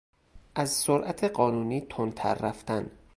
از سرعت قانونی تندتر رفتن